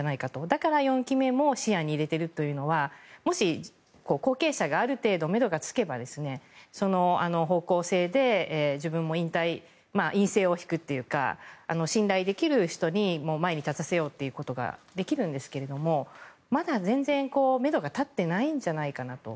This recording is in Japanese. だから、４期目も視野に入れているというのはもし後継者がある程度、めどがつけばその方向性で自分も引退院政を敷くというか信頼できる人に前に立たせようということができるんですけどまだ全然めどが立ってないんじゃないかなと。